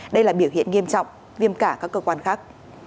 đây là biểu hiện nghiêm trọng viêm cả các cơ quan khác